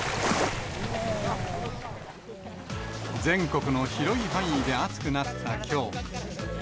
全国の広い範囲で暑くなったきょう。